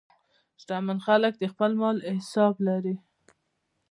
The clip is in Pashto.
شتمن خلک د خپل مال حساب لري.